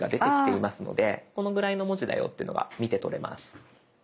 このぐらいの文字だよっていうのが見てとれます。